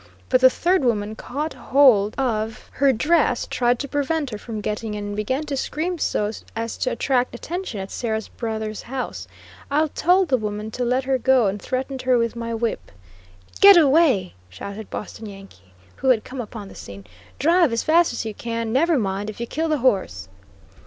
But the third woman caught hold of her dress, tried to prevent her from getting in, and began to scream so as to attract attention at Sarah's brother's house. I told the woman to let her go, and threatened her with my whip. "Get away," shouted Boston Yankee, who had come upon the scene. "Drive as fast as you can; never mind if you kill the horse."